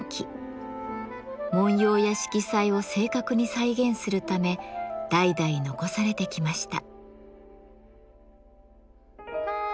紋様や色彩を正確に再現するため代々残されてきました。